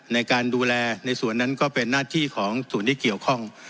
ในการดูแลในส่วนนั้นก็เป็นหน้าที่ของส่วนที่เกี่ยวข้อง